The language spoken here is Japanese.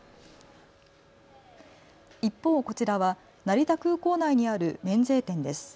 一方こちらは成田空港内にある免税店です。